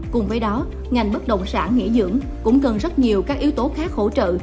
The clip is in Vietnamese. cùng với đó ngành bất động sản nghỉ dưỡng cũng cần rất nhiều các yếu tố khác hỗ trợ